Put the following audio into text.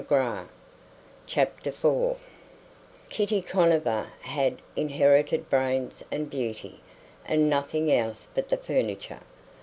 CHAPTER IV Kitty Conover had inherited brains and beauty, and nothing else but the furniture.